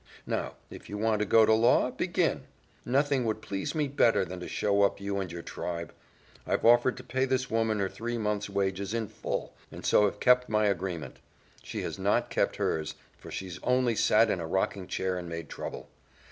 Now, if you want to go to law, begin. Nothing would please me better than to show up you and your tribe. I've offered to pay this woman her three months' wages in full, and so have kept my agreement. She has not kept hers, for she's only sat in a rocking chair and made trouble.